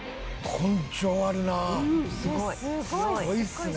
すごいですね。